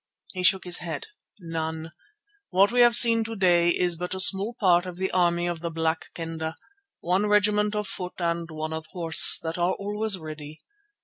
He shook his head. "None. What we have seen to day is but a small part of the army of the Black Kendah, one regiment of foot and one of horse, that are always ready.